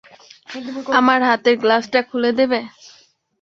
আমার হাতের গ্লাভসটা খুলে দেবে?